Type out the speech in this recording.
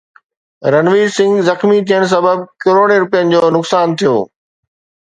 رنوير سنگهه زخمي ٿيڻ سبب ڪروڙين روپين جو نقصان ٿيو